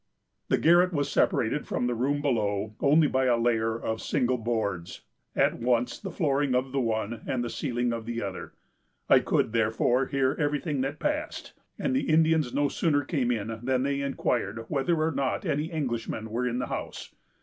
"The garret was separated from the room below only by a layer of single boards, at once the flooring of the one and the ceiling of the other. I could, therefore, hear every thing that passed; and the Indians no sooner came in than they inquired whether or not any Englishmen were in the house.